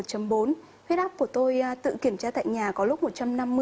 huyết áp của tôi tự kiểm tra tại nhà có lúc một trăm năm mươi